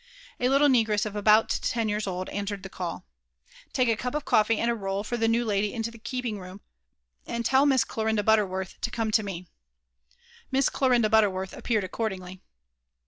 A little negress of about ten years old answered the call. ''Take a cup. of coffee and a roll for the new lady into the keeping room; and tell Miss Glarinda Bbtterworth to come tome." Miss Glarinda BuUerworlh appeared accordingly.